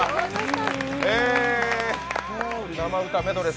生歌メドレー